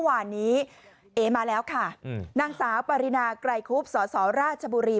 วันนี้เอ๊มาแล้วค่ะอืมนางสาวปริณาไกรครูปสรราชบุรี